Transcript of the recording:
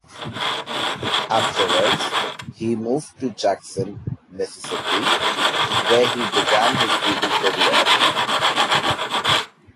Afterward, he moved to Jackson, Mississippi where he began his legal career.